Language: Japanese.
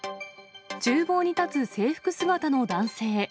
ちゅう房に立つ制服姿の男性。